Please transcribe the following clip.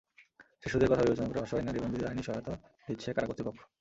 শিশুদের কথা বিবেচনা করে অসহায় নারী বন্দীদের আইনি সহায়তা দিচ্ছে কারা কর্তৃপক্ষ।